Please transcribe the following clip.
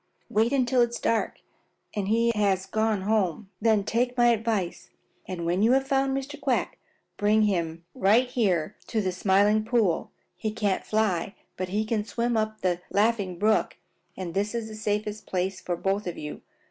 Wait until it is dark and he has gone home. Then take my advice, and when you have found Mr. Quack, bring him right up here to the Smiling Pool. He can't fly, but he can swim up the Laughing Brook, and this is the safest place for both of you.